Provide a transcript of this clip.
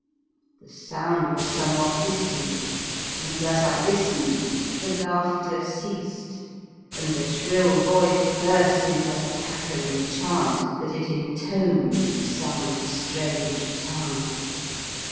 The sound was somewhat distant, and as I listened, the laughter ceased, and the shrill voice burst into a cackling chant, that it intoned in some strange tongue.